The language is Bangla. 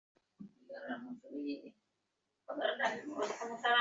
এটা একটা ভিন্ন ধরনের যুদ্ধ।